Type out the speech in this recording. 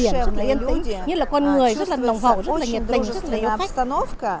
điểm rất là yên tĩnh như là con người rất là nồng hậu rất là nhiệt tình rất là đúng khách